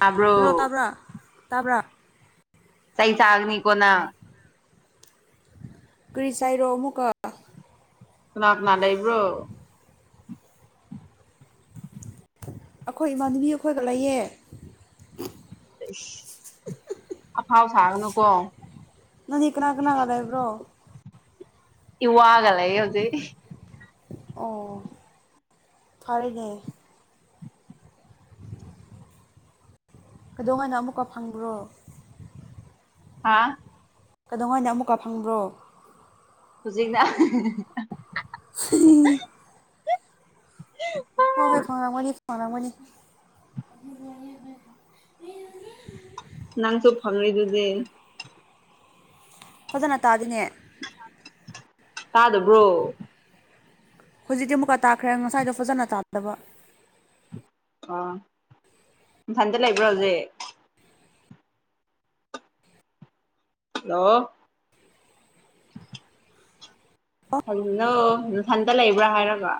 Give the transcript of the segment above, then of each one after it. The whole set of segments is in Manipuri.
ꯇꯥꯕ꯭ꯔꯣ ꯍꯜꯂꯣ ꯇꯥꯕ꯭ꯔꯥ ꯇꯥꯕ꯭ꯔꯥ ꯁꯩ ꯆꯥꯒꯅꯤ ꯀꯣꯅ ꯀ꯭ꯔꯤꯁꯥꯏꯔꯣꯃꯨꯀ ꯁꯅꯥꯞꯅꯅꯥꯗꯏꯕ꯭ꯔꯣ ꯑꯩꯈꯣꯏ ꯏꯃꯥꯟꯅꯕꯤ ꯑꯩꯈꯣꯏꯒ ꯂꯩꯌꯦ ꯑꯐꯥꯎ ꯁꯥꯒꯅꯨꯀꯣ ꯅꯪꯗꯤ ꯀꯅꯥ ꯀꯅꯥꯒ ꯂꯩꯕ꯭ꯔꯣ ꯏꯒꯂ ꯌ ꯌꯎꯖꯤ ꯑꯣ ꯐꯔꯦꯅꯦ ꯀꯩꯗꯧꯉꯅ ꯑꯃꯨꯛꯀ ꯐꯪꯕ꯭ꯔꯣ ꯍꯥꯥ ꯀꯩꯗꯧꯉ ꯍꯥꯏꯅ ꯑꯃꯨꯛꯀ ꯐꯪꯕ꯭ꯔꯣ ꯍꯧꯖꯤꯛꯅ ꯍ ꯍꯣꯏ ꯍꯣꯏ ꯐꯪꯔꯝꯒꯅꯤ ꯐꯪꯂꯝꯝꯒꯅꯤ ꯅꯪꯁꯨꯣ ꯐꯪꯗꯨꯗꯤꯦ ꯐꯖꯅ ꯇꯥꯗꯤꯅꯦ ꯇꯥꯗꯕ꯭ꯔꯣ ꯍꯧꯖꯤꯛꯇꯤ ꯑꯃꯨꯛꯀ ꯇꯥꯈ꯭ꯔꯦ ꯉꯁꯥꯏꯗꯣ ꯐꯖꯅ ꯇꯥꯗꯕ ꯑꯣ ꯏꯝꯊꯟꯗ ꯂꯩꯕ꯭ꯔꯣꯖꯤꯦ ꯍꯜꯂꯣ [inaudible] ꯑꯣ ꯗꯣ ꯃꯊꯟꯇ ꯂꯩꯕ꯭ꯔꯥ ꯍꯥꯏꯔꯕ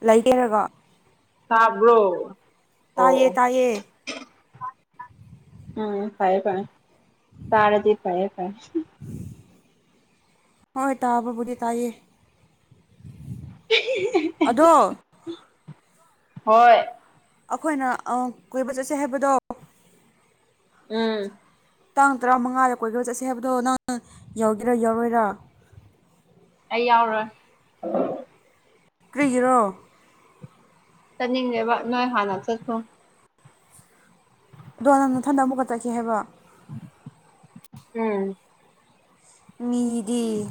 ꯂꯩꯒꯦꯔꯒꯣ ꯇꯥꯕ꯭ꯔꯣ ꯑꯣ ꯇꯥꯏꯌꯦ ꯑꯣ ꯇꯥꯏꯌꯦ ꯎꯝ ꯐꯔꯦ ꯐꯔ ꯇꯔꯥꯗꯤ ꯐꯔꯌꯦꯦ ꯐꯔ ꯍꯣꯏ ꯇꯥꯕꯣꯕꯨꯗꯤ ꯇꯥꯏꯌꯦ ꯑꯗꯣ ꯍꯣꯏ ꯑꯩꯈꯣꯏꯅ ꯑ ꯀꯣꯏꯕ ꯆꯠꯁꯦ ꯍꯥꯏꯕꯗꯣ ꯎꯝ ꯇꯥꯡ ꯇꯔꯥꯃꯉꯥꯗ ꯀꯣꯏꯕ ꯆꯠꯁꯦ ꯍꯥꯏꯕꯗꯣ ꯅꯪ ꯌꯥꯎꯒꯦꯔꯥ ꯌꯥꯎꯔꯣꯏꯔꯥ ꯑꯩ ꯌꯥꯎꯔꯣꯏ ꯀ꯭ꯔꯤꯒꯤꯔꯣ ꯆꯠꯅꯤꯡꯗꯦꯕ ꯅꯣꯏ ꯍꯥꯟꯅ ꯆꯠꯈ꯭ꯔꯣ ꯑꯗꯣ ꯅꯪ ꯅꯊꯟꯗ ꯑꯃꯨꯛꯀ ꯆꯠꯁꯦ ꯍꯥꯏꯕ ꯎꯝ ꯃꯤꯗꯤ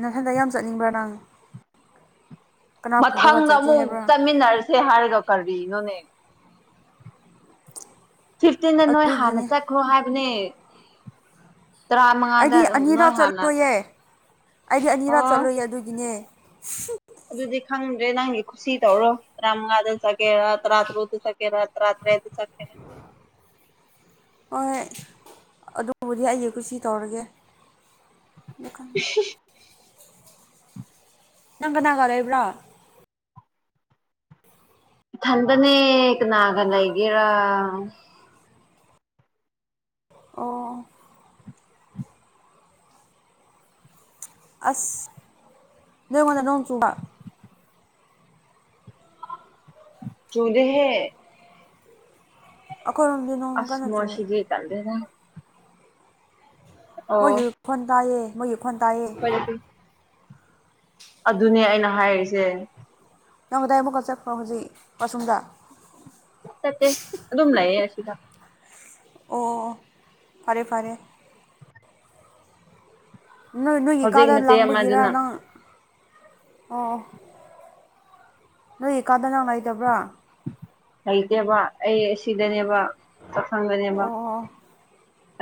ꯅꯊꯟꯗ ꯌꯥꯝ ꯆꯠꯅꯤꯡꯕ꯭ꯔꯥ ꯅꯪ ꯀꯅꯥ ꯄꯨꯔꯒ ꯃꯊꯪꯗ ꯆꯠꯀꯦ ꯑꯃꯨꯛ ꯍꯥꯏꯕ꯭ꯔꯥ ꯆꯠꯃꯤꯟꯅꯔꯁꯦ ꯍꯥꯏꯔꯒ ꯀꯔꯤꯅꯣꯅꯦ ꯐꯤꯐꯇꯤꯟꯗ ꯅꯣꯏ ꯍꯥꯟꯅ ꯑꯗꯨꯒꯤꯅꯦ ꯆꯠꯈ꯭ꯔꯣ ꯍꯥꯏꯕꯅꯦ ꯇꯔꯥꯃꯉꯥꯗ ꯑꯩꯗꯤ ꯅꯣꯏ ꯑꯅꯤꯔꯥꯛ ꯍꯥꯟꯅ ꯆꯠꯂꯣꯏꯌꯦ ꯑꯩꯗꯤ ꯑꯅꯤꯔꯛ ꯑꯣ ꯆꯠꯂꯣꯏꯌꯦ ꯑꯗꯨꯒꯤꯅꯦ ꯑꯗꯨꯗꯤ ꯈꯪꯗ꯭ꯔꯦ ꯅꯪꯒꯤ ꯈꯨꯁꯤ ꯇꯧꯔꯣ ꯇꯔꯥꯃꯉꯥꯗ ꯆꯠꯀꯦꯔꯥ ꯇꯔꯥꯇꯔꯨꯛꯇ ꯆꯠꯀꯦꯔꯥ ꯇꯔꯥꯇꯔꯦꯠꯇ ꯆꯠꯀꯦꯔ ꯍꯣꯏ ꯑꯗꯨꯕꯨꯗꯤ ꯑꯩꯒꯤ ꯀꯨꯁꯤ ꯇꯧꯔꯒꯦ [unintelligible] ꯅꯪ ꯀꯅꯥꯒ ꯂꯩꯕ꯭ꯔꯥ ꯏꯊꯟꯗꯅꯦ ꯀꯅꯥꯒ ꯂꯩꯒꯦꯔꯥ ꯑꯣ ꯑꯁ ꯅꯣꯏꯉꯣꯟꯗ ꯅꯣꯡ ꯆꯨꯕ ꯆꯨꯗꯦꯍꯦ ꯑꯩꯈꯣꯏꯔꯣꯝꯗ ꯑꯁ ꯅꯣꯏꯁꯤꯗꯤ ꯇꯜꯂꯦꯗꯥ ꯑꯣ ꯃꯣꯏꯒꯤ ꯈꯣꯟ ꯇꯥꯏꯌꯦ ꯃꯣꯏꯒꯤ ꯈꯣꯟ ꯇꯥꯏꯌꯦ [unintelligible] ꯑꯗꯨꯅꯦ ꯑꯩꯅ ꯍꯥꯏꯔꯤꯁꯦ ꯅꯣꯡꯗꯥꯏꯕꯀꯣ ꯆꯠꯄ ꯍꯧꯖꯤꯛ ꯑꯁꯨꯝꯗ ꯆꯠꯇꯦ ꯑꯗꯨꯝ ꯂꯩꯌꯦ ꯑꯁꯤꯗ ꯑꯣ ꯑꯣ ꯑꯣ ꯐꯔꯦ ꯐꯔꯦ ꯅꯣꯏ ꯅꯣꯏꯒꯤ ꯍꯧꯖꯤꯛ ꯀꯥꯗ ꯅꯆꯦ ꯂꯥꯡꯕꯒꯤꯔ ꯑꯃꯗꯨꯅ ꯅꯪ ꯑꯣ ꯅꯣꯏꯒꯤ ꯀꯥꯗ ꯅꯪ ꯂꯩꯇꯕ꯭ꯔꯥ ꯂꯩꯩꯇꯦꯕ ꯑꯩ ꯁꯤꯗꯅꯦꯕ ꯆꯥꯛꯁꯪꯗꯅꯦꯕ ꯑꯣ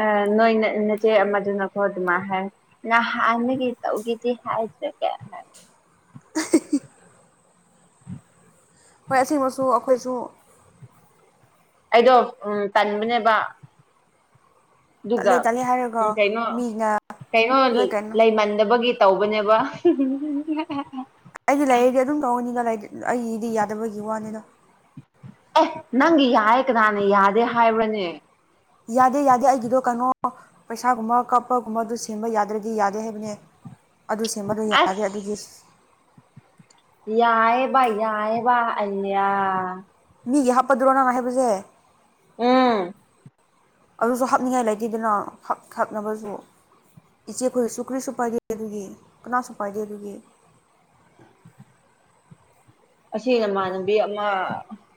ꯑ ꯅꯣꯏ ꯅ ꯅꯆꯦ ꯑꯃꯗꯨꯅꯀꯣ ꯑꯗꯨꯃꯥꯏ ꯍꯥꯏ ꯅꯍꯥꯟꯗꯒꯤ ꯇꯧꯒꯦꯗꯤ ꯍꯥꯏꯗ꯭ꯔꯒ [unintelligible] [inaudible] ꯍꯣꯏ ꯑꯁꯤꯃꯁꯨ ꯑꯩꯈꯣꯏꯁꯨ ꯑꯩꯗꯣ ꯎꯝ ꯇꯟꯕꯅꯦꯕ ꯑꯗꯨꯒ ꯇꯠꯂꯦ ꯇꯠꯂꯦ ꯎ ꯍꯥꯏꯔꯒ ꯀꯩꯅꯣ ꯃꯤꯅ ꯂꯣꯏ ꯀꯩꯅꯣꯒꯤ ꯀꯩꯅꯣ ꯂꯩꯃꯟꯗꯕꯒꯤ ꯇꯧꯕꯅꯦꯕ [unintelligible] ꯑꯩꯗꯤ ꯂꯥꯏꯔꯤꯛꯗꯤ ꯑꯗꯨꯝ ꯇꯧꯍꯟꯅꯤꯗ [unintelligible] ꯑꯩꯒꯤꯗꯤ ꯌꯥꯗꯕꯒꯤ ꯋꯥꯅꯤꯗ ꯑꯦ ꯅꯪꯒꯤ ꯌꯥꯌꯦ ꯀꯅꯥꯅ ꯌꯥꯗꯦ ꯍꯥꯏꯕ꯭ꯔꯅꯦ ꯌꯥꯗꯦ ꯌꯥꯗꯦ ꯑꯩꯒꯤꯗꯣ ꯀꯩꯅꯣ ꯄꯩꯁꯥꯒꯨꯝꯕ ꯀꯥꯞꯄꯒꯨꯝꯕ ꯑꯗꯨ ꯁꯦꯝꯕ ꯌꯥꯗ꯭ꯔꯗꯤ ꯌꯥꯗꯦ ꯍꯥꯏꯕꯅꯦ ꯑꯗꯨ ꯁꯦꯝꯕꯗꯣ ꯑꯁ ꯌꯥꯔꯗꯦ ꯑꯗꯨꯒꯤ ꯌꯥꯑꯦꯕ ꯌꯥꯑꯦꯕ ꯑꯩꯅ꯭ꯌꯥ ꯃꯤꯒꯤ ꯍꯥꯞꯄꯗꯨꯔꯣ ꯅꯪꯅ ꯍꯥꯏꯕꯁꯦ ꯎꯝ ꯑꯗꯨꯁꯨ ꯍꯥꯞꯅꯤꯡꯉꯥꯏ ꯂꯩꯇꯦꯗꯅꯥ ꯈꯛ ꯈꯛꯅꯕꯁꯨ ꯏꯆꯦ ꯑꯩꯈꯣꯏꯁꯨꯁꯨ ꯀꯨꯔꯤꯁꯨ ꯄꯥꯏꯗꯦ ꯑꯗꯨꯒꯤ ꯀꯅꯥꯁꯨ ꯄꯥꯏꯗꯦ ꯑꯗꯨꯒꯤ ꯑꯁꯤ ꯅꯃꯥꯟꯅꯕꯤ ꯑꯃ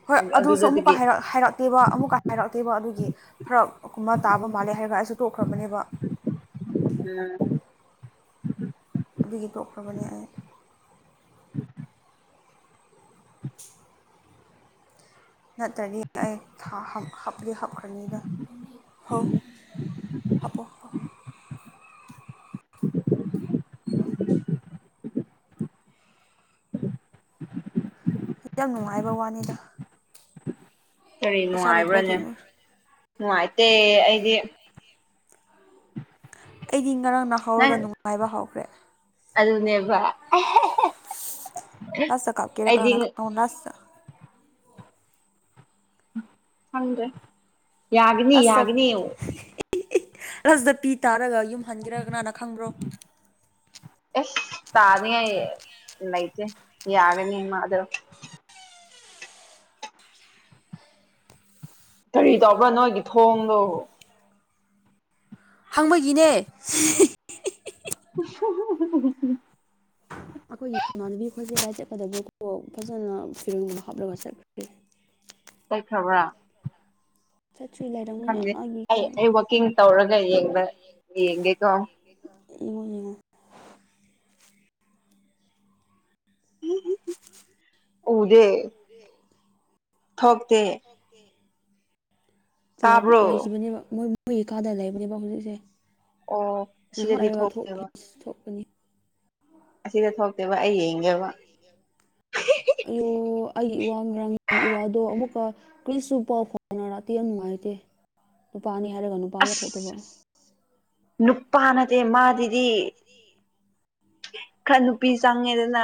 ꯍꯣꯏ ꯑꯗꯨꯁꯨ ꯑꯃꯨꯛꯀ ꯑꯗꯨꯗꯒꯤ ꯍꯥꯏꯔꯛ ꯍꯥꯏꯔꯛꯇꯦꯕ ꯑꯃꯨꯛꯀ ꯍꯥꯏꯔꯛꯇꯦꯕ ꯑꯗꯨꯒꯤ ꯐꯔꯛ ꯀꯨꯝꯕ ꯇꯥꯕ ꯃꯥꯜꯂꯦ ꯍꯥꯏꯔꯒ ꯑꯩꯁꯨ ꯇꯣꯛꯈ꯭ꯔꯕꯅꯦꯕ [unintelligible] ꯎꯝ ꯑꯗꯨꯒꯤ ꯇꯣꯛꯈ꯭ꯔꯕꯅꯤ ꯑꯩ [unintelligible] ꯅꯠꯇ꯭ꯔꯗꯤ ꯑꯩ ꯊꯥ ꯍꯥꯞ ꯍꯥꯞꯂꯤ ꯍꯥꯞꯈ꯭ꯔꯅꯤꯗ ꯍꯧ ꯍꯛ ꯑꯣ [inaudible] ꯈꯤꯇꯪ ꯅꯨꯡꯉꯥꯏꯕ ꯋꯥꯅꯤꯗ ꯀꯔꯤ ꯄꯩꯁꯥ ꯂꯩꯇꯕꯒꯤ ꯅꯨꯡꯉꯥꯏꯕ꯭ꯔꯥꯅꯦ ꯅꯨꯡꯉꯥꯏꯇꯦ ꯑꯩꯗꯤ ꯑꯩꯗꯤ ꯉꯔꯥꯡ ꯅ ꯍꯧꯔꯒ ꯅꯪ ꯅꯨꯡꯉꯥꯏꯕ ꯍꯧꯈ꯭ꯔꯦ ꯑꯗꯨꯅꯦꯕ [unintelligible] ꯑꯩꯗꯤ [unintelligible] ꯍꯪꯗꯦ ꯑꯁꯇ [unintelligible] ꯑꯁꯇ ꯄꯤ ꯇꯥꯔꯒ ꯌꯨꯝ ꯍꯟꯒꯦꯔ ꯀꯅꯥꯅ ꯈꯪꯕ꯭ꯔꯣ [unintelligible] ꯑꯦꯁ ꯇꯥꯅꯤꯏ ꯂꯩꯇꯦ ꯌꯥꯒꯅꯤ ꯃꯥꯗꯨ ꯀꯔꯤ ꯇꯧꯕ꯭ꯔꯥ ꯅꯣꯏꯒꯤ ꯊꯣꯡꯗꯣ ꯍꯪꯕꯒꯤꯅꯦ [unintelligible] [unintelligible] ꯑꯩꯈꯣꯏꯒꯤ ꯏꯃꯥꯟꯅꯕꯤ ꯈꯣꯏ [unintelligible] ꯆꯠꯀꯗꯕ ꯀ ꯐꯖꯅ ꯐꯤꯔꯣꯟꯒꯨꯝꯕ ꯍꯥꯞꯂꯒ ꯆꯠꯈ꯭ꯔꯦ ꯆꯠꯈ꯭ꯔꯕ꯭ꯔ ꯆꯠꯇ꯭ꯔꯤ ꯂꯩꯔꯝ ꯈꯪꯗꯦ ꯑꯩ ꯑꯩ ꯋꯥꯛꯀꯤꯡ ꯇꯧꯔꯒ ꯌꯦꯡꯕ ꯌꯦꯡꯒꯦꯀꯣ [unintelligible] [unintelligible] ꯎꯗꯦ ꯊꯣꯛꯇꯦ [unintelligible] ꯇꯥꯕ꯭ꯔꯣ ꯂꯩꯈꯤꯕꯅꯦꯕ ꯃꯣꯏ ꯃꯣꯏ ꯀꯥꯗ ꯂꯩꯕꯅꯦꯕ ꯍꯧꯖꯤꯛꯁꯦ ꯑꯣ ꯁꯤꯗꯗꯤ ꯊꯣꯛꯑꯦꯕ ꯊꯣꯛꯄꯅꯤ ꯑꯁꯤꯗ ꯊꯣꯛꯇꯦꯕ ꯑꯩ ꯌꯦꯡꯒꯦꯕ ꯑꯌꯣ ꯑꯩꯒꯤ ꯏꯋꯥ ꯉꯔꯥꯡ ꯏ ꯋꯥꯗꯣ ꯑꯃꯨꯛꯀ ꯀꯨꯔꯤꯁꯨ ꯄꯥꯎ ꯐꯥꯎꯅꯔꯇꯦ ꯌꯥꯝ ꯅꯨꯡꯉꯥꯏꯇꯦ ꯅꯨꯄꯥꯅꯤ ꯍꯥꯏꯔꯒ ꯅꯨꯄꯥ ꯌꯥꯝ ꯊꯣꯛꯇꯕ ꯑꯁ ꯅꯨꯄꯥ ꯅꯠꯇꯦ ꯃꯥꯖꯤꯗꯤ [unintelligible] ꯈꯔ ꯅꯨꯄꯤ ꯆꯪꯉꯦꯗꯅ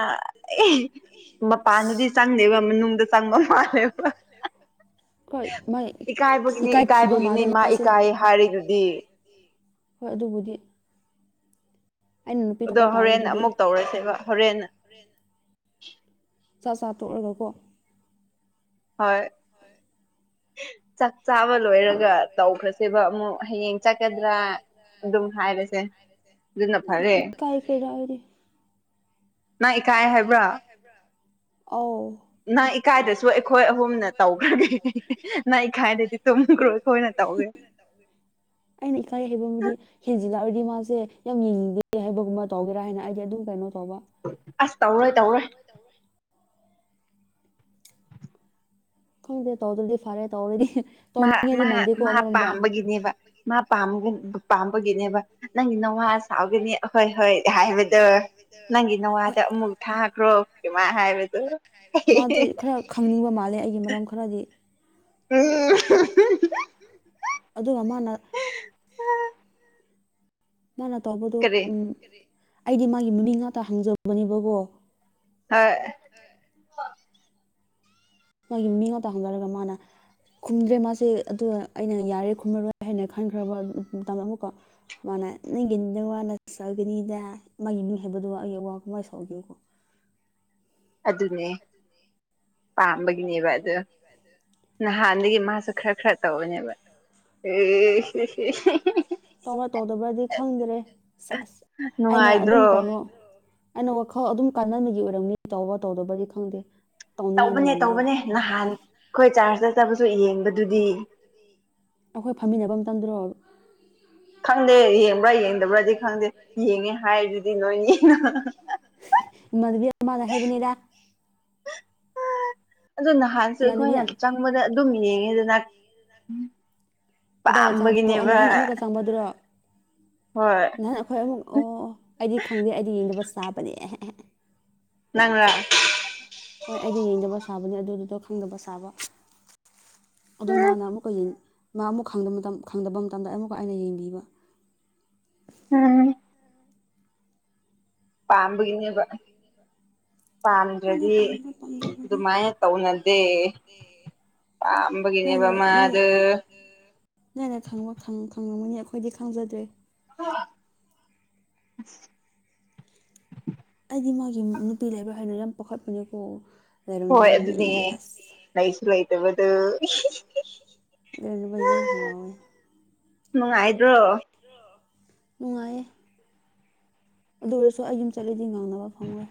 [unintelligible] ꯃꯄꯥꯟꯗꯗꯤ ꯆꯪꯗꯦꯕ ꯃꯅꯨꯡꯗ ꯆꯪꯕ ꯃꯥꯜꯂꯦꯕ ꯍꯣꯏ ꯃꯥꯥꯏ ꯏꯀꯥꯏꯕꯒꯤꯅꯦ ꯏꯀꯥꯏꯈꯤꯕ ꯏꯀꯥꯏꯕꯒꯤꯅꯦ ꯃꯥꯜꯂꯦ ꯃꯥ ꯃꯥꯁꯦ ꯏꯀꯥꯏ [unintelligible] ꯍꯥꯏꯔꯤꯗꯨꯗꯤ ꯍꯣꯏ ꯑꯗꯨꯕꯨꯗꯤ ꯑꯩꯅ ꯅꯨꯄꯤ ꯑꯗꯣ ꯊꯣꯛꯄ ꯇꯥꯔꯦ ꯍꯣꯔꯦꯟ ꯑꯗꯨꯗꯤ ꯑꯃꯨꯛ ꯇꯧꯔꯁꯦꯕ ꯍꯣꯔꯦꯟ ꯆꯥꯛ ꯆꯥ ꯇꯣꯛꯂꯒꯀꯣ ꯍꯣꯏ ꯆꯥꯛ ꯆꯥꯕ ꯂꯣꯏꯔꯒ ꯇꯧꯈ꯭ꯔꯁꯦꯕ ꯑꯃꯨꯛ ꯍꯌꯦꯡ ꯆꯠꯀꯗ꯭ꯔꯥ ꯑꯗꯨꯝ ꯍꯥꯏꯔꯁꯦ ꯑꯗꯨꯅ ꯐꯔꯦ [unintelligible] ꯏꯀꯥꯏꯈ꯭ꯔꯦꯗ ꯑꯩꯗꯤ ꯅꯪ ꯏꯀꯥꯏ ꯍꯥꯏꯕ꯭ꯔꯥ ꯑꯧ ꯅꯪ ꯏꯀꯥꯏꯗꯁꯨ ꯑꯩꯈꯣꯏ ꯑꯍꯨꯝꯅ ꯇꯧꯈ꯭ꯔꯒꯦ ꯅꯪ ꯏꯀꯥꯏꯗꯗꯤ ꯇꯨꯝꯈ꯭ꯔꯣ ꯑꯩꯈꯣꯏꯅ ꯇꯧꯏꯦ [inaudible] ꯑꯩꯅ ꯏꯀꯥꯏ ꯍꯥꯏꯕꯕꯨꯗꯤ ꯍꯦꯟꯖꯤꯜꯔꯛꯑꯗꯤ ꯃꯥꯁꯦ ꯌꯥꯝ ꯌꯦꯡꯅꯤꯡꯗꯦ ꯍꯥꯏꯕꯒꯨꯝꯕ ꯇꯧꯒꯦꯔꯥ ꯍꯥꯏꯅ ꯑꯩꯗꯤ ꯑꯗꯨꯝ ꯀꯩꯅꯣ ꯇꯧꯕ ꯑꯁ ꯇꯧꯔꯣꯏ ꯇꯧꯔꯣꯏ [unintelligible] ꯈꯪꯗꯦ ꯇꯧꯗꯔꯗꯤ ꯐꯔꯦ ꯇꯧꯔꯗꯤ ꯃꯥ ꯇꯧꯅꯤꯡꯉꯗꯤ ꯃꯥ ꯃꯥꯟꯗꯦꯀꯣ ꯃꯥ ꯄꯥꯝꯕꯒꯤꯅꯦꯕ ꯃꯥ ꯄꯥꯝꯕꯒꯤ ꯄꯥꯝꯕꯒꯤꯅꯦꯕ ꯅꯪꯒꯤ ꯅꯋꯥ ꯁꯥꯥꯎꯒꯅꯤ ꯍꯣꯏ ꯍꯣꯏ ꯍꯥꯏꯕꯗ‌ꯣ ꯅꯪꯒꯤ ꯅꯋꯥꯗ ꯑꯃꯨꯛ ꯊꯥꯈ꯭ꯔꯣ ꯗꯨꯃꯥꯏ ꯍꯥꯏꯕꯗꯨ ꯃꯥꯗꯣ ꯈꯔ ꯈꯪꯅꯤꯡꯕ ꯃꯥꯜꯂꯦ ꯑꯩꯒꯤ ꯃꯔꯝ ꯈꯔꯗꯤ ꯎꯝ ꯑꯗ‌ꯣ ꯃꯥꯅ ꯃꯥꯅ ꯇꯧꯕꯗꯣ ꯀꯔꯤ ꯎꯝ ꯑꯩꯗꯤ ꯃꯥꯒꯤ ꯃꯃꯤꯡ ꯉꯥꯛꯇ ꯍꯪꯖꯕꯅꯦꯕꯀꯣ ꯍ‌ꯣꯏ ꯃꯥꯒꯤ ꯃꯃꯤꯡ ꯉꯥꯛꯇ ꯍꯪꯖꯔꯒ ꯃꯥꯅ ꯈꯨꯝꯗ꯭ꯔꯦ ꯃꯥꯁꯦ ꯑꯗꯨꯒ ꯑꯩꯅ ꯌꯥꯔꯦ ꯈꯨꯝꯃꯔꯣꯏ ꯍꯥꯏꯅ ꯈꯟꯈ꯭ꯔꯕ ꯃꯇꯝꯗ ꯑꯃꯨꯛꯀ ꯃꯥꯅ ꯅꯪꯒꯤ ꯅꯋꯥꯅ ꯁꯥꯎꯒꯅꯤꯗ ꯃꯥꯒꯤ ꯃꯃꯤꯡ ꯍꯥꯏꯕꯗꯨꯕꯨ ꯑꯩꯒꯤ ꯏꯋꯥꯅ ꯀꯃꯥꯏ ꯁꯥꯎꯗ‌ꯣꯏꯅ‌ꯣ ꯑꯗꯨꯅꯦ ꯄꯥꯝꯕꯒꯤꯅꯦꯕ ꯑꯗꯨ ꯅꯍꯥꯟ ꯅꯍꯥꯟꯗꯒꯤ ꯃꯥꯁꯨ ꯈꯔ ꯈꯔ ꯇꯧꯕꯅꯦꯕ ꯑꯦ ꯇꯧꯕꯔ ꯇꯧꯗꯕ꯭ꯔꯗꯤ ꯈꯪꯗ꯭ꯔꯦ ꯁ‌ꯦꯖ ꯑꯩꯅ ꯑꯗꯨꯝ ꯅꯨꯡꯉꯥꯏꯗ꯭ꯔꯣ ꯀꯩꯅꯣ ꯑꯩꯅ ꯋꯥꯈꯜ ꯑꯗꯨꯝ ꯀꯥꯟꯃꯟꯕꯒꯤ ꯑꯣꯏꯔꯝꯅꯤ ꯇꯧꯕꯔ ꯇꯧꯗꯕꯔꯗꯤ ꯈꯪꯗꯦ ꯇꯧꯅꯤꯡꯉꯥꯏꯗꯤ ꯇꯧꯕꯅꯦ ꯃꯥꯟꯗꯦꯗ ꯇꯧꯕꯅꯦ ꯅꯍꯥꯟ ꯑꯩꯈꯣꯏ ꯆꯥꯔꯁꯇ ꯆꯠꯄꯁꯨ ꯌꯦꯡꯕꯗꯨꯗꯤ ꯑꯩꯈꯣꯏ ꯐꯝꯃꯤꯟꯅꯕ ꯃꯇꯝꯗꯨꯔ‌ꯣ ꯈꯪꯗꯦ ꯌꯦꯡꯕ꯭ꯔꯥ ꯌꯦꯡꯗꯕ꯭ꯔꯥꯗꯤ ꯈꯪꯗꯦ ꯌꯦꯡꯉꯦ ꯍꯥꯏꯔꯤꯗꯨꯗꯤ ꯏꯃꯥꯟꯅꯕꯤ ꯑꯃꯅ ꯍꯥꯏꯕꯅꯤꯗ ꯑꯗꯨ ꯅꯍꯥꯟꯁꯨ ꯏꯃꯥꯟꯅꯕꯤ ꯑꯩꯈꯣꯏꯅ ꯆꯪꯕꯗ ꯑꯗꯨꯝ ꯌꯦꯡꯉꯦꯗꯅ ꯀꯗꯥꯏꯗ ꯆꯪꯕꯔ‌ꯣ ꯄꯥꯝꯕꯒꯤꯅꯦꯕ ꯅꯍꯥꯟ ꯑꯃꯨꯛꯀ ꯆꯪꯕꯗꯨꯔꯣ ꯍꯣꯏ ꯅꯍꯥꯟ ꯑꯩꯈꯣꯏ ꯑꯃꯨꯛ ꯑꯣ ꯑꯩꯗꯤ ꯈꯪꯗꯦ ꯑꯩꯗꯤ ꯌꯦꯡꯗꯕ ꯁꯥꯕꯅꯦ ꯑꯦꯍꯦꯍꯦ ꯅꯪꯔꯥ ꯍꯣꯏ ꯑꯩꯗꯤ ꯌꯦꯡꯗꯕ ꯁꯥꯕꯅꯦ ꯑꯗꯨꯒꯤꯗ‌ꯣ ꯈꯪꯗꯕ ꯁꯥꯕ ꯑꯗ‌ꯣ ꯃꯥꯅ ꯑꯃꯨꯛꯀ ꯌ‌ꯦꯡ ꯃꯥ ꯑꯃꯨꯛ ꯈꯪꯗꯕ ꯃꯇꯝ ꯈꯪꯗꯕ ꯃꯇꯝꯗ ꯑꯃꯨꯛꯀ ꯑꯩꯅ ꯌꯦꯡꯕꯤꯕ ꯎꯝ ꯄꯥꯝꯕꯒꯤꯅ‌ꯦꯕ ꯈꯪꯗꯦ ꯄꯥꯥꯝꯗꯔꯗꯤ ꯄꯥꯝꯕ꯭ꯔꯥ ꯄꯥꯝꯗꯕ꯭ꯔꯗꯤ ꯑꯗꯨꯃꯥꯏꯅ ꯇꯧꯅꯗꯦ ꯄꯥꯝꯕꯒꯤꯅꯦꯕ ꯃꯗ‌ꯣ ꯅꯪꯅ ꯈꯪꯕ ꯈꯪ ꯈꯪꯉꯝꯒꯅꯤ ꯑꯩꯈꯣꯏꯗꯤ ꯈꯪꯖꯗ꯭ꯔꯦ [unintelligible] ꯑꯩꯗꯤ ꯃꯥꯒꯤ ꯅꯨꯄꯤ ꯂꯩꯕꯔ ꯍꯥꯏꯅ ꯌꯥꯝ ꯄꯈꯠꯄꯅꯦꯀꯣ ꯍꯣꯏ ꯑꯗꯨꯅꯦ ꯂꯩꯁꯨ ꯂꯩꯇꯕꯗ‌ꯣ [unintelligible] ꯌꯥꯝ ꯍꯔꯥꯎꯌ‌ꯦ ꯅꯨꯡꯉꯥꯏꯗ꯭ꯔꯣ ꯅꯨꯡꯉꯥꯏꯌꯦ ꯑꯗꯨ ꯑꯣꯏꯔꯁꯨ ꯑꯩ ꯌꯨꯝ ꯆꯠꯂꯗꯤ ꯉꯥꯡꯅꯕ ꯐꯪꯉ‌ꯣꯏ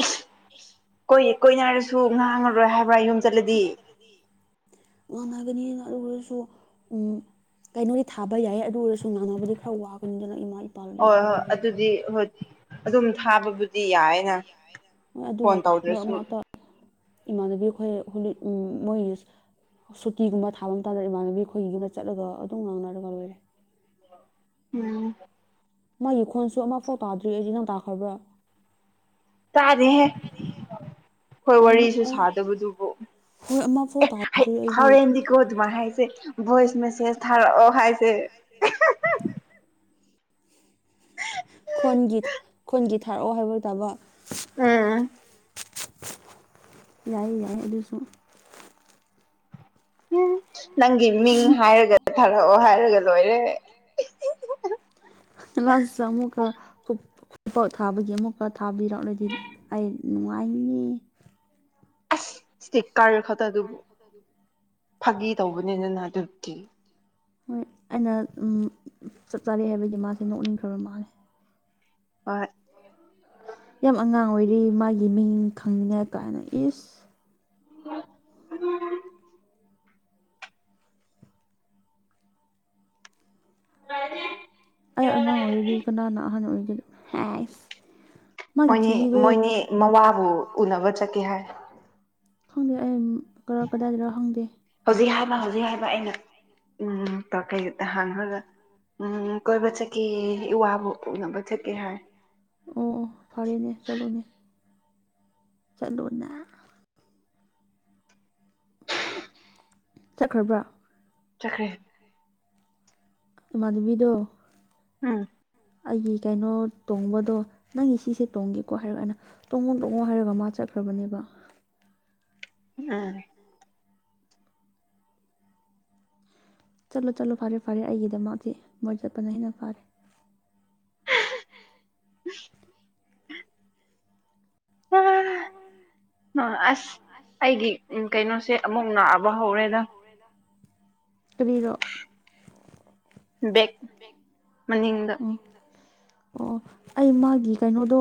ꯏꯁ ꯀꯣꯏ ꯀꯣꯏꯅꯔꯁꯨ ꯉꯥꯡꯉꯔꯣꯏ ꯍꯥꯏꯕ ꯌꯨꯝ ꯆꯠꯂꯗꯤ ꯉꯥꯡꯅꯒꯅꯤ ꯑꯗꯨ ꯑꯣꯏꯔꯁꯨ ꯎꯝ ꯀꯩꯅꯣꯗꯤ ꯊꯥꯕ ꯌꯥꯏ ꯑꯗꯨ ꯑꯣꯏꯔꯁꯨ ꯉꯥꯡꯅꯕꯗꯤ ꯈꯔ ꯋꯥꯒꯅꯤꯗꯅ ꯏꯃꯥ ꯏꯄꯥꯅ ꯍꯣꯏ ꯌꯥꯗꯕꯒꯤ [unintelligible] ꯑꯗꯨꯝ ꯊꯥꯕꯕꯨ ꯍꯣꯏ ꯑꯗꯨꯒ ꯃꯔꯛ ꯇꯧꯗ꯭ꯔꯁꯨ ꯃꯔꯛꯇ ꯏꯃꯥꯟꯅꯕꯤ ꯈ‌ꯣꯏ ꯎꯝ ꯃ‌ꯣꯏ ꯁꯨꯇꯤꯒꯨꯝꯕ ꯊꯥꯕ ꯃꯇꯝꯗ ꯏꯃꯥꯟꯅꯕꯤ ꯑꯩꯈꯣꯏꯒꯤꯅ ꯆꯠꯂꯒ ꯑꯗꯨꯝ ꯉꯥꯡꯅꯔꯒ ꯂꯣꯏꯔꯦ ꯎꯝ ꯃꯥꯒꯤ ꯈꯣꯟꯁꯨ ꯑꯃꯐꯥꯎ ꯇꯥꯗ꯭ꯔꯤ ꯑꯩꯗꯤ ꯅꯪ ꯇꯥꯈ꯭ꯔꯕ꯭ꯔꯣ ꯇꯥꯔꯦ ꯍꯦ ꯍꯣꯏ ꯑꯗꯨꯅꯦ ꯋꯥꯔꯤꯁꯨ ꯑꯦ ꯁꯥꯗꯕꯗꯨꯕꯨ ꯍꯣꯏ ꯑꯃꯐꯥꯎ ꯑꯦ ꯇꯥꯗ꯭ꯔꯤ ꯑꯩꯗꯤ ꯍꯥꯎꯣꯔꯦꯟꯗꯤ ꯀꯣꯗ ꯍꯥꯏꯁꯦ ꯣꯏꯁ ꯃꯦꯁ ꯊꯔ ꯍꯥꯏꯁꯦ [inaudible] ꯈꯣꯟꯒꯤ ꯈꯣꯟꯒꯤ ꯊꯥꯔꯛꯑꯣ ꯍꯥꯏꯕ ꯇꯥꯕ ꯎꯝ ꯌꯥꯏꯌꯦ ꯌꯥꯏ ꯑꯗꯨꯁꯨ ꯎꯝ ꯅꯪꯒꯤ ꯃꯤꯡ ꯍꯥꯏꯔꯒ ꯊꯥꯔꯛꯑꯣ ꯍꯥꯏꯔꯒ ꯂꯣꯏꯔꯦ ꯂꯥꯁꯇ ꯑꯃꯨꯛꯀ ꯈꯨ ꯊꯥꯕꯒꯤ ꯑꯃꯨꯛꯀ ꯊꯥꯕꯤꯔꯛꯂꯗꯤ ꯑꯩ ꯅꯨꯡꯉꯥꯏꯅꯤ ꯁꯤꯔ ꯈ ꯔ ꯐ ꯑꯗꯨ ꯐ ꯇꯧꯕꯅꯤꯗꯅ ꯑꯗꯨꯕꯨꯗꯤ ꯍꯣꯏ ꯑꯩꯅ ꯆꯞ ꯆꯥꯔꯦ ꯍꯥꯏꯕꯒꯤ ꯃꯥꯁꯦ ꯅꯣꯛꯅꯤꯡꯈ꯭ꯔꯕ ꯃꯥꯜꯂ ꯍꯣꯏ ꯌꯥꯝ ꯑꯉꯥꯡ ꯑꯣꯏꯔꯤ ꯃꯥꯒꯤ ꯃꯤꯡ ꯈꯪꯅꯤꯡꯉꯥꯏ ꯀꯥꯏꯅ ꯏꯁ [unintelligible] ꯀꯦ ꯑꯩ ꯑꯉꯥꯡ ꯑꯣꯏꯔꯤ ꯀꯅꯥ ꯅ ꯑꯍꯥꯟ ꯑꯣꯏꯔꯤꯒꯅ ꯍꯥꯏ ꯃꯣꯏꯅꯤ ꯃꯣꯏꯅꯤ ꯃꯋꯥꯕꯨ ꯎꯅꯕ ꯆꯠꯀꯦ ꯍꯥꯏ ꯈꯪꯗꯦ ꯑꯩ ꯀꯔ ꯀꯗꯥꯏꯗꯔ ꯈꯪꯗꯦ ꯍꯧꯖꯤꯛ ꯍꯥꯏꯕ ꯍꯧꯖꯤꯛ ꯍꯥꯏꯕ ꯑꯩꯅ ꯎꯝ ꯀ ꯀꯩꯗ ꯍꯥꯡꯉꯒ ꯎꯝ ꯀꯣꯏꯕ ꯆꯠꯀꯤ ꯋꯥ ꯀꯣꯛꯅꯕ ꯆꯠꯀꯦ ꯍꯥꯏ ꯑꯣ ꯑꯣ ꯐꯔꯦꯅꯦ ꯆꯠꯂꯨꯅꯦ ꯆꯠꯂꯨꯅꯦ ꯆꯠꯈ꯭ꯔꯕ꯭ꯔꯥ ꯆꯠꯈ꯭ꯔꯔꯤ ꯏꯃꯥꯟꯅꯕꯤꯗꯣ ꯎꯝ ꯑꯩꯒꯤ ꯀꯩꯅꯣ ꯇꯣꯡꯕꯗꯣ ꯅꯪꯒꯤ ꯁꯤꯁꯦ ꯇꯣꯡꯒꯦꯀꯣ ꯍꯥꯏꯔ ꯀꯥꯟꯅ ꯇꯣꯡꯉꯣ ꯇꯣꯡꯉꯣ ꯍꯥꯏꯔꯒ ꯃꯥ ꯆꯠꯈ꯭ꯔꯕꯅꯦꯕ ꯎꯝ ꯆꯠꯂꯣ ꯆꯠꯂꯣ ꯐꯔꯦ ꯐꯔꯦ ꯑꯩꯒꯤꯗꯃꯛꯇꯤ ꯃꯣꯏ ꯆꯠꯄꯅ ꯍꯦꯟꯅ ꯐꯥꯔꯦ [unintelligible] [unintelligible] ꯑꯁ ꯑꯩꯒꯤ ꯀꯩꯅꯣꯁꯦ ꯑꯃꯨꯛ ꯅꯥꯕ ꯍꯧꯔꯦꯗꯪ ꯔꯔꯣ ꯕꯦꯛꯦꯛ ꯃꯅꯤꯡꯗ ꯑꯣ ꯑꯩ ꯃꯥꯒꯤ ꯀꯩꯅꯣꯗꯣ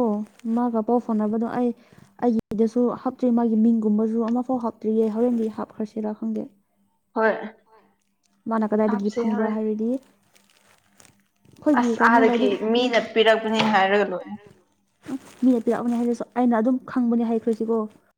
ꯃꯥꯒ ꯄꯥꯎ ꯐꯥꯎꯅꯕꯗꯣ ꯑꯩ ꯑꯩꯒꯤꯗꯁꯨ ꯍꯥꯞꯇ꯭ꯔꯤ ꯃꯥꯒꯤ ꯃꯤꯡꯒꯨꯝꯕꯁꯨ ꯑꯃꯐꯥꯎ ꯍꯥꯞꯇ꯭ꯔꯤꯌꯦ ꯍꯣꯔꯦꯟꯗꯤ ꯍꯥꯞꯈ꯭ꯔꯁꯤꯔꯥ ꯈꯪꯗꯦ ꯍꯣꯏ ꯃꯥꯅ ꯀꯗꯥꯏꯗꯒꯤ ꯍꯥꯞꯁꯦ ꯐꯪꯕ꯭ꯔꯥ ꯍꯣꯔꯦꯟ ꯍꯥꯏꯔꯗꯤ ꯑꯩꯈꯣꯏꯒꯤ ꯑꯁ ꯀꯩꯅꯣ ꯑꯥꯗꯒꯤ ꯂꯥꯏꯔꯤꯛ ꯃꯤꯅ ꯄꯤꯔꯛꯄꯅꯤ ꯍꯥꯏꯔꯒ ꯂꯣꯏꯔꯦ ꯃꯤꯅ ꯄꯤꯔꯛꯄꯅꯦ ꯍꯥꯏꯁꯤꯁꯨ ꯑꯩꯅ ꯑꯗꯨꯝ ꯈꯪꯕꯅꯦ ꯍꯥꯏꯈ꯭ꯔꯁꯤꯀꯣ